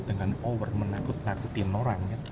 dengan ower menakut nakutin orang